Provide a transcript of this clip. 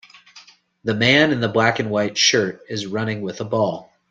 The man in the black and white shirt is running with a ball.